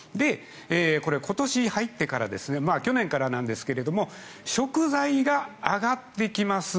これ、今年に入ってから去年からなんですが食材が上がってきます。